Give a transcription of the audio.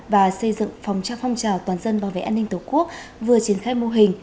và xây dựng phòng cho phong trào toàn dân bảo vệ an ninh tổ quốc vừa triển khai mô hình